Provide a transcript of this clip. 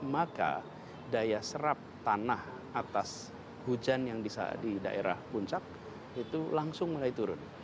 maka daya serap tanah atas hujan yang di daerah puncak itu langsung mulai turun